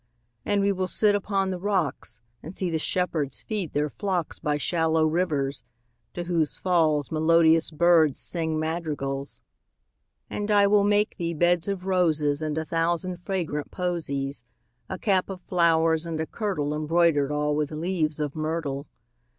And we will sit upon the rocks, 5 And see the shepherds feed their flocks By shallow rivers, to whose falls Melodious birds sing madrigals. And I will make thee beds of roses And a thousand fragrant posies; 10 A cap of flowers, and a kirtle Embroider'd all with leaves of myrtle.